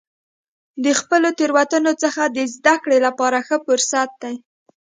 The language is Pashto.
د خپلو تیروتنو څخه د زده کړې لپاره ښه فرصت دی.